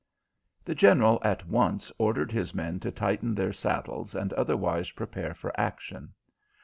The General at once ordered his men to tighten their saddles and otherwise prepare for action.